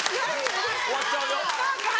終わっちゃうよ。